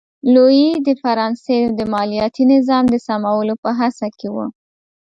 لويي د فرانسې د مالیاتي نظام د سمولو په هڅه کې و.